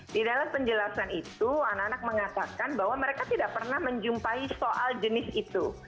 di dalam penjelasan itu anak anak mengatakan bahwa mereka tidak pernah menjumpai soal jenis itu